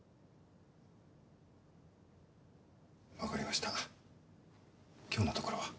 わかりました今日のところは。